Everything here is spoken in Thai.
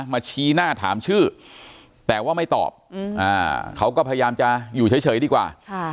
ชี้หน้าถามชื่อแต่ว่าไม่ตอบเขาก็พยายามจะอยู่เฉยดีกว่า